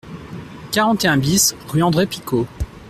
quarante et un BIS rue André Picaud